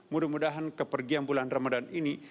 mudah mudahan kepergian bulan ramadhan ini